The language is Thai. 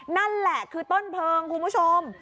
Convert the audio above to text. นั่นแหละคือต้นเพลิงคุณผู้ชม